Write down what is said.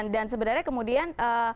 dan sebenarnya kemudian